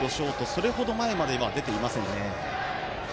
それほど前までは出ていませんね。